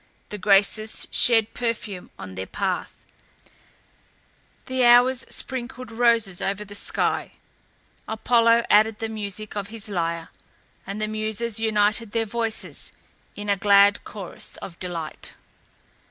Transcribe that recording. The Graces shed perfume on their path, the Hours sprinkled roses over the sky, Apollo added the music of his lyre, and the Muses united their voices in a glad chorus of delight.